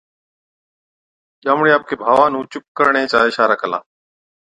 ڄامڙي آپڪي ڀاوا نُون چُپ ڪرڻي چڪا اِشارا ڪلا،